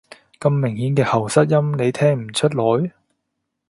咁明顯嘅喉塞音，你聽唔出來？